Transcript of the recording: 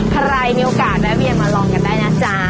ใครมีโอกาสแวะเวียนมาลองกันได้นะจ๊ะ